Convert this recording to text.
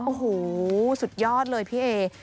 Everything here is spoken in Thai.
โอ้โหสุดยอดเลยพี่เอ